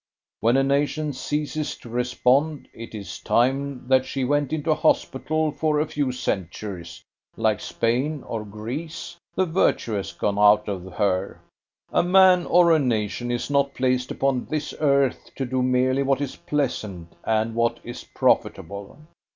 When a nation ceases to respond, it is time that she went into hospital for a few centuries, like Spain or Greece the virtue has gone out of her. A man or a nation is not placed upon this earth to do merely what is pleasant and what is profitable.